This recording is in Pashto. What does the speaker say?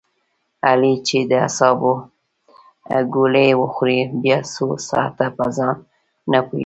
علي چې د اعصابو ګولۍ و خوري بیا څو ساعته په ځان نه پوهېږي.